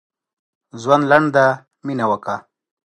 ژوند لنډ دی؛ مينه وکړه.